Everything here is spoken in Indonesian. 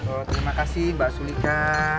oh terima kasih mbak sulika